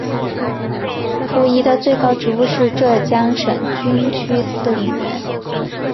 傅怡的最高职务是浙江省军区司令员。